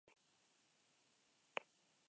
Ordudanik, zurrumurruak eta iragarpenak dira nagusi.